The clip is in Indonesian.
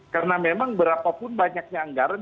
karena memang berapapun banyaknya anggaran